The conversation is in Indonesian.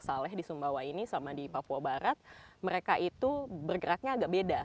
teluk saleh di sumbawa ini sama di papua barat mereka itu bergeraknya agak beda